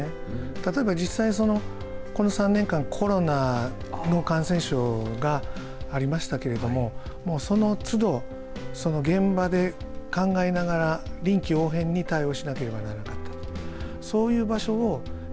例えば、実際この３年間コロナの感染症がありましたけれどもそのつど、現場で考えながら臨機応変に対応しなければならなかった。